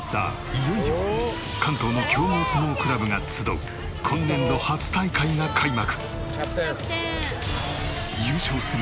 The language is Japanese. いよいよ関東の強豪相撲クラブが集う今年度初大会が開幕。